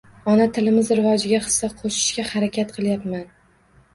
Ona tilimiz rivojiga hissa qoʻshishga harakat qilyapman